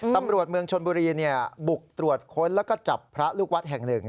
ตำรวจเมืองชนบุรีบุกตรวจค้นแล้วก็จับพระลูกวัดแห่งหนึ่ง